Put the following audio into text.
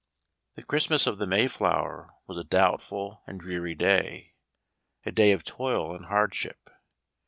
The Christmas of the Mayflower was a doubtful and dreary day — a day of toil and hardship.